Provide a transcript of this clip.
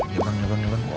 ya bang ya bang ya bang